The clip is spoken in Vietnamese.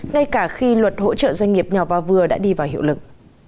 ngay cả khi luật hỗ trợ doanh nghiệp nhỏ và vừa đã đi vào hiệu lực